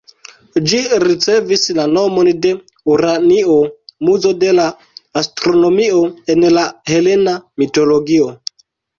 Ĝi ricevis la nomon de Uranio, muzo de la astronomio en la helena mitologio.